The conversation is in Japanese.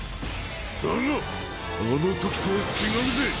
だがあの時とは違うぜ。